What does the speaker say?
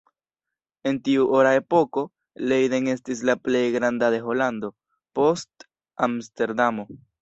En tiu Ora Epoko, Leiden estis la plej granda de Holando, post Amsterdamo.